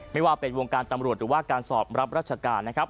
ไม่ว่าเป็นวงการตำรวจหรือว่าการสอบรับราชการนะครับ